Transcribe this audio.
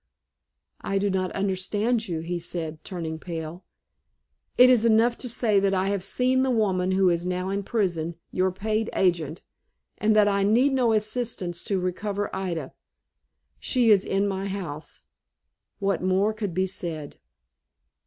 "I do not understand you," he said, turning pale. "It is enough to say that I have seen the woman who is now in prison, your paid agent, and that I need no assistance to recover Ida. She is in my house." What more could be said?